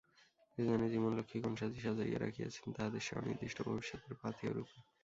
কে জানে জীবন-লক্ষ্মী কোন সাজি সাজাইয়া রাখিয়াছেন তাহাদের সে অনির্দিষ্ট ভবিষ্যতের পাথেয়-রূপে?